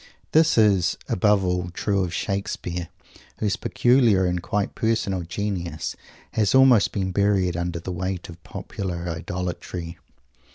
This is, above all, true of Shakespeare, whose peculiar and quite personal genius has almost been buried under the weight of popular idolatry.